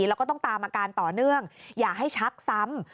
แล้วก็ต้องตามอาการต่อเนื่องอย่าให้ชักซ้ำ